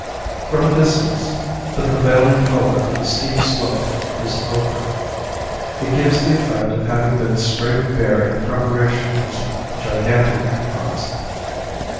From a distance the prevailing colour of the steep slope is ochre; it gives the effect of having been scraped bare in preparation for some gigantic enterprise.